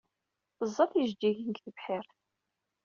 Teẓẓa tijejjigin deg tebḥirt.